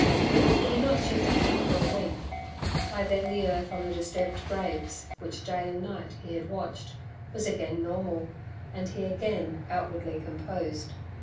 He did not shift camp for a week, by then the earth on the disturbed graves, which day and night he had watched, was again normal, and he again outwardly composed.